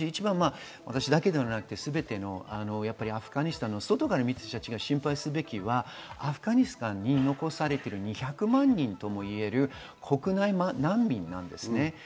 私だけではなく全てのアフガニスタンを外から見ている人たちが心配すべきは、アフガニスタンに残されている２００万人ともいわれる難民なんです。